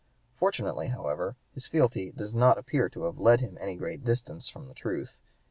Fortunately, however, his fealty does not appear to have led him any great distance from the truth.